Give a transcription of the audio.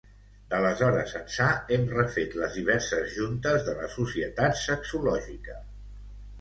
D'aleshores ençà, hem refet les diverses juntes de la societat sexològica